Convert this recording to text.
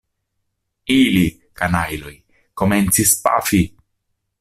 Ili, kanajloj, komencis pafi!